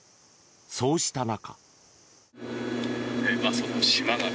そうした中。